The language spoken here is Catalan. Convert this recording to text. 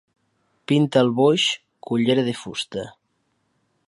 Pinta el boix, cullera de fusta.